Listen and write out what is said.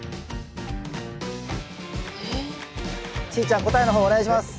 しーちゃん答えの方お願いします。